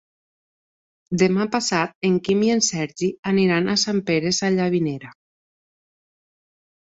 Demà passat en Quim i en Sergi aniran a Sant Pere Sallavinera.